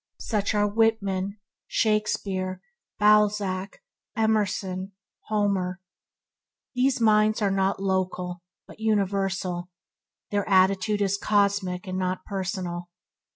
Such are Whitman, Shakespeare, Balzac, Emerson, Homer. These minds are not local, but universal. Their attitude is cosmic and not personal.